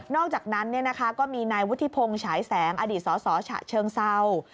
อกจากนั้นก็มีนายวุฒิพงศ์ฉายแสงอดีตสสฉะเชิงเศร้า